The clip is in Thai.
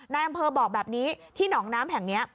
นายอำเภอบอกแบบนี้ที่หนองน้ำแห่งนี้